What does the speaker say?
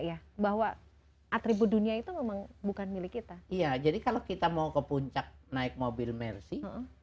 ya bahwa atribut dunia itu memang bukan milik kita iya jadi kalau kita mau ke puncak naik mobil mercy